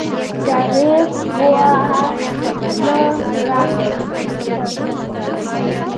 دغې خوا نه راغی